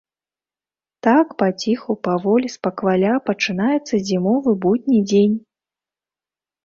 Так, паціху, паволі, спакваля пачынаецца зімовы будні дзень.